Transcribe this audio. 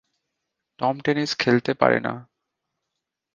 Tom tennis খেলতে পারে না।